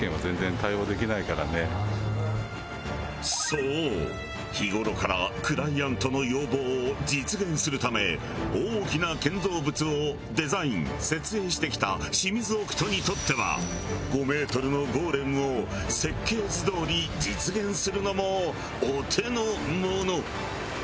そう日頃からクライアントの要望を実現するため大きな建造物をデザイン設営してきたシミズオクトにとっては５メートルのゴーレムを設計図どおり実現するのもお手のもの！